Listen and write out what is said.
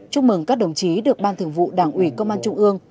chúc mừng các đồng chí được ban thường vụ đảng ủy công an trung ương